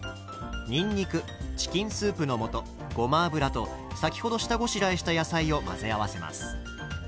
にんにくチキンスープの素ごま油と先ほど下ごしらえした野菜を混ぜ合わせます。